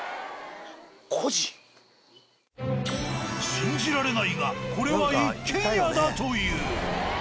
信じられないがこれは一軒家だという。